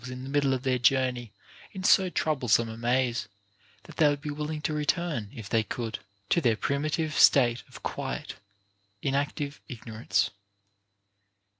453 in the middle of their journey in so troublesome a maze, that they would be willing to return (if they could) to their primitive state of quiet, inactive ignorance.